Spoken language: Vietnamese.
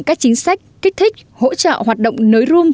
các chính sách kích thích hỗ trợ hoạt động nới rum